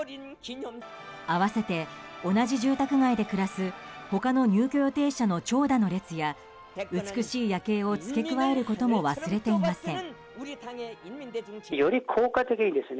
併せて同じ住宅街で暮らす他の入居予定者の長蛇の列や美しい夜景を付け加えることも忘れていません。